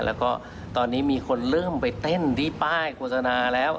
แล้วก็ตอนนี้มีคนเริ่มไปเต้นที่ป้ายโฆษณาแล้ว